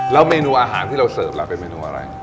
แล้วเมนูอาหารที่เราเสิร์ฟล่ะเป็นเมนูอะไร